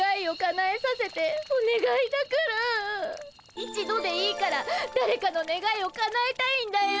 一度でいいからだれかのねがいをかなえたいんだよ。